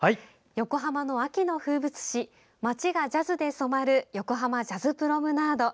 横浜の秋の風物詩街がジャズで染まる横濱ジャズプロムナード。